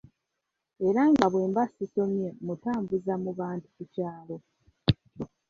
Era nga bwemba sisomye mmutambuza mu bantu ku kyalo.